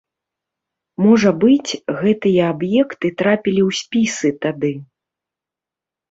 Можа быць, гэтыя аб'екты трапілі ў спісы тады.